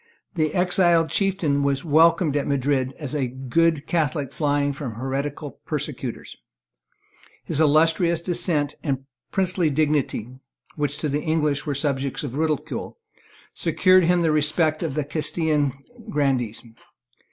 The exiled chieftain was welcomed at Madrid as a good Catholic flying from heretical persecutors. His illustrious descent and princely dignity, which to the English were subjects of ridicule, secured to him the respect of the Castilian grandees.